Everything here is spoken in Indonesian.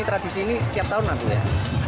ini tradisi ini tiap tahun atau ya